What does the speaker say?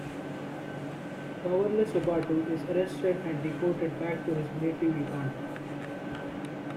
A powerless Obatu is arrested and deported back to his native Uganda.